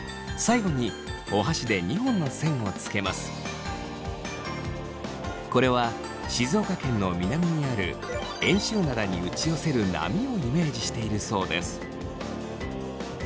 最後にこれは静岡県の南にある遠州灘に打ち寄せる波をイメージしているそうです。